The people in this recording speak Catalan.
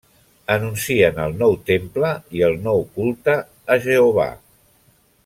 Anuncien el Nou Temple i el nou culte a Jehovà.